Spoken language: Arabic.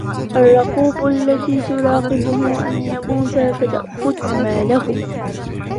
الرَّقُوبُ الَّتِي تُرَاقِبُهُ أَنْ يَمُوتَ فَتَأْخُذَ مَالَهُ